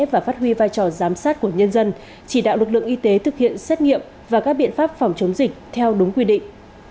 và phát huy vai trò giám sát của nhân dân chỉ đạo lực lượng y tế thực hiện xét nghiệm và các biện pháp phòng chống dịch theo đúng quy định